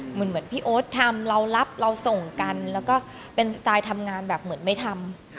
เหมือนพี่โอ๊ตทำเรารับเราส่งกันแล้วก็เป็นสไตล์ทำงานแบบเหมือนไม่ทำ